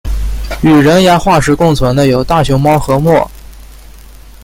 与人牙化石共存的有大熊猫和貘。